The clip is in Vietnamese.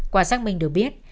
quả xác minh được biết